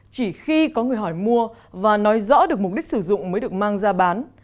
chỉ khi có người hỏi mua và nói rõ được mục đích sử dụng mới được mang ra bán